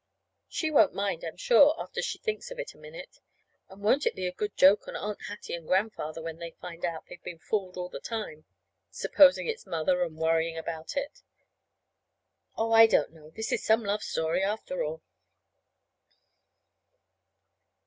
She won't mind, I'm sure, after she thinks of it a minute. And won't it be a good joke on Aunt Hattie and Grandfather when they find out they've been fooled all the time, supposing it's Mother, and worrying about it? Oh, I don't know! This is some love story, after all!